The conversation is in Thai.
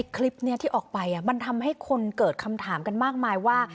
คลิปนี้ที่ออกไปมันทำให้คนเกิดคำถามกันมากมายว่า